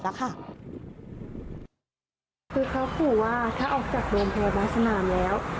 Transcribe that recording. คือเขาขู่ว่าถ้าออกจากโรงพยาบาลสนามแล้ว